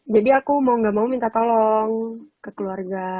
jadi aku mau gak mau minta tolong ke keluarga